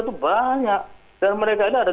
itu banyak dan mereka ini ada